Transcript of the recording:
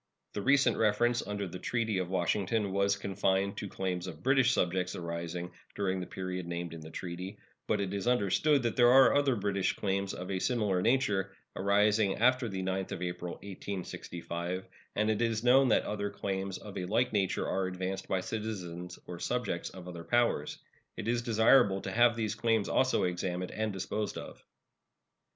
The recent reference under the treaty of Washington was confined to claims of British subjects arising during the period named in the treaty; but it is understood that there are other British claims of a similar nature, arising after the 9th of April, 1865, and it is known that other claims of a like nature are advanced by citizens or subjects of other powers. It is desirable to have these claims also examined and disposed of.